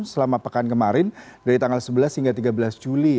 selama pekan kemarin dari tanggal sebelas hingga tiga belas juli